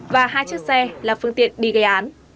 và hai chiếc xe là phương tiện đi gây án